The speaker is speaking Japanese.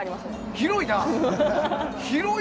広いな！